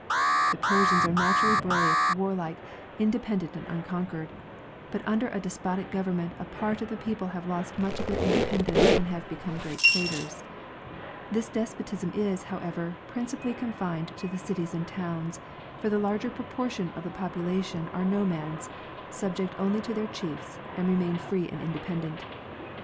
The Persians are naturally brave, warlike, independent and unconquered, but under a despotic government a part of the people have lost much of their independence and have become great traders. This despotism is, however, principally confined to the cities and towns, for the larger proportion of the popula tion are nomads, subject only to their chiefs, and remain free and independent.